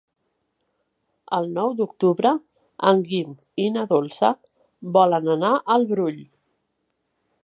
El nou d'octubre en Guim i na Dolça volen anar al Brull.